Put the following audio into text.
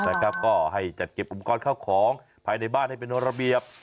นะครับก็ให้จัดเก็บอุปกรณ์เข้าของภายในบ้านให้เป็นระเบียบ